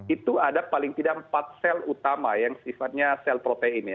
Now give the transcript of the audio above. itu ada paling tidak empat sel utama yang sifatnya sel protein ya